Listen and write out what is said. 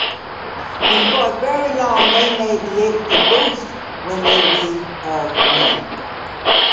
Before very long they may be able to boast that they read her when.